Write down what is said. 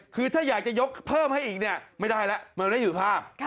คือถ้าอยากจะยกเพิ่มให้อีกเนี่ยไม่ได้แล้วมันไม่อยู่ภาพ